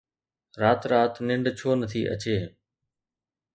رات رات ننڊ ڇو نٿي اچي؟